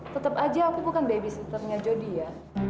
tetap aja aku bukan babysitternya jody ya